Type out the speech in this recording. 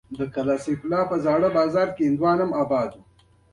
هوا ډېره توده نه وه.